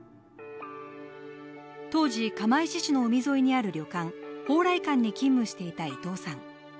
当時、釜石市の海沿いにある旅館・宝来館に勤務していた伊藤さん。